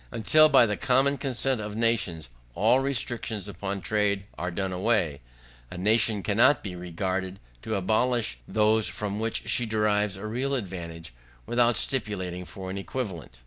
Until, by the common consent of nations, all restrictions upon trade are done away, a nation cannot be required to abolish those from which she derives a real advantage, without stipulating for an equivalent.